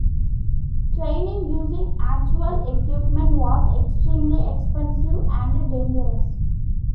Training using actual equipment was extremely expensive and dangerous.